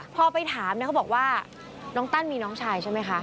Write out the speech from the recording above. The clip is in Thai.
พอไปถามเนี่ยเขาบอกว่าน้องตั้นมีน้องชายใช่ไหมคะ